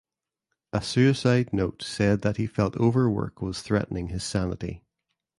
A suicide note said that he felt overwork was threatening his sanity.